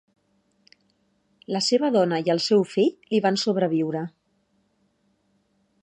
La seva dona i el seu fill li van sobreviure.